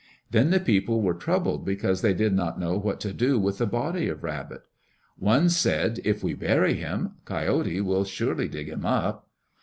Then the people were troubled because they did not know what to do with the body of Rabbit. One said, "If we bury him, Coyote will surely dig him up."